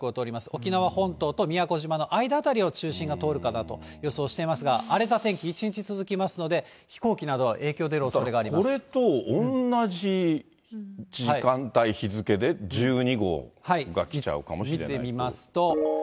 沖縄本島と宮古島の間辺りを中心が通るかなと予想していますが、荒れた天気一日続きますので、飛行機など、影響が出るおそれがあこれと同じ時間帯、日付で１２号が来ちゃうかもしれないと。